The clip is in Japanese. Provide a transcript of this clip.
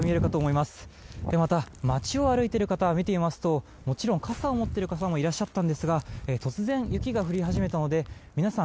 また、街を歩いている方を見てみますともちろん傘を持っている方もいらっしゃったんですが突然、雪が降り始めたので皆さん